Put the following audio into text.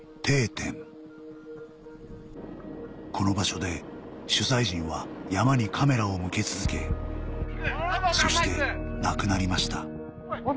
この場所で取材陣は山にカメラを向け続けそして亡くなりました